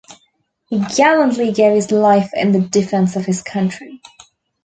He gallantly gave his life in the defense of his country.